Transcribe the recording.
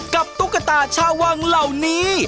ตุ๊กตาชาววังเหล่านี้